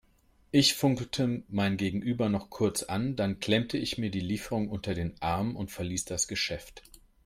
Ich funkelte mein Gegenüber noch kurz an, dann klemmte ich mir die Lieferung unter den Arm und verließ das Geschäft.